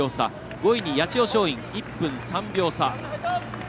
５位に八千代松陰、１分３秒差。